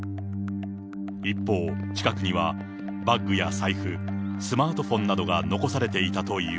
一方、近くにはバッグや財布、スマートフォンなどが残されていたという。